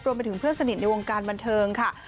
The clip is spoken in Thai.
ไปถึงเพื่อนสนิทในวงการบันเทิงค่ะ